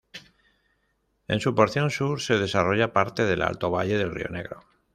En su porción sur, se desarrolla parte del Alto Valle del río Negro.